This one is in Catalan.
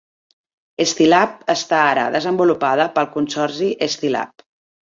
Scilab està ara desenvolupada pel Consorci Scilab.